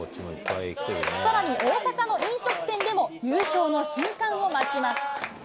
さらに、大阪の飲食店でも、優勝の瞬間を待ちます。